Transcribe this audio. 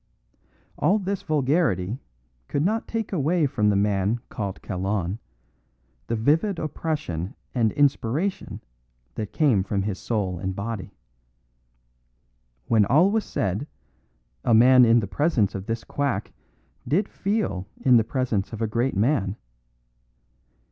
All this vulgarity could not take away from the man called Kalon the vivid oppression and inspiration that came from his soul and body. When all was said, a man in the presence of this quack did feel in the presence of a great man.